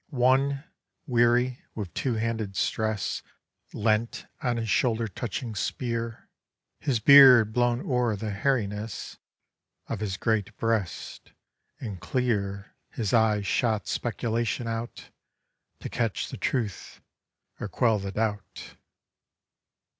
One, weary, with two handed stress Leant on his shoulder touching spear His beard blown o'er the hairiness Of his great breast; and clear His eyes shot speculation out To catch the truth or quell the doubt.